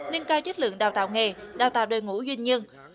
nâng cao chất lượng đào tạo nghề đào tạo đôi ngũ duyên nhân